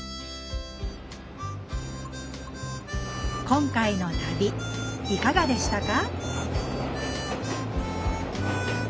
今回の旅いかがでしたか？